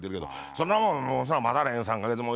「そんなもんもう待たれへん３か月も」